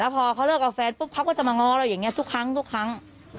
แล้วพอเขาเลือกกับแฟนปุ๊บเขาก็จะมาง้อเราอย่างนี้ทุกครั้ง